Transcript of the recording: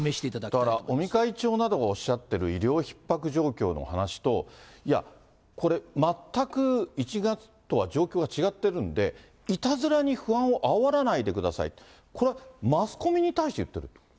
だから尾身会長などがおっしゃってる医療ひっ迫状況の話と、いや、全く１月とは状況が違ってるんで、いたずらに不安をあおらないでくださいと、これはマスコミに対して言ってる？